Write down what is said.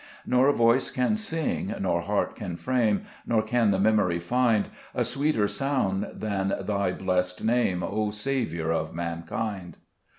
2 Nor voice can sing, nor heart can frame, Nor can the memory find, A sweeter sound than Thy blest Name, O Saviour of mankind.